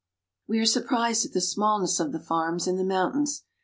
We are surprised at the smallness of the farms in the mountains.